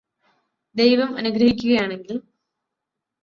ദൈവം അനുഗ്രഹിക്കുകയാണെങ്കിൽ